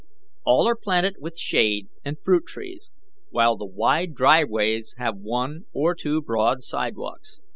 All are planted with shade and fruit trees, while the wide driveways have one or two broad sidewalks.